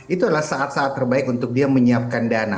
itu adalah saat saat terbaik untuk dia menyiapkan dana